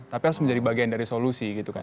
tapi harus menjadi bagian dari solusi gitu kan